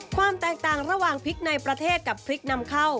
ความแตกต่างระหว่างพริกในประเทศกับพริกนำเข้า